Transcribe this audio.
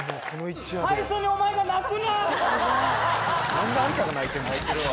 最初にお前が泣くな！